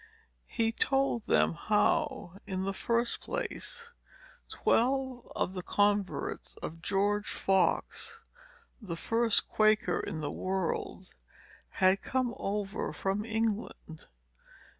He told them how, in the first place, twelve of the converts of George Fox, the first Quaker in the world, had come over from England.